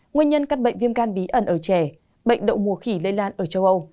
nguyên nhân các bệnh viêm gan bí ẩn ở trẻ bệnh đậu mùa khỉ lây lan ở châu âu